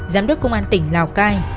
giám đốc công an tỉnh lào cai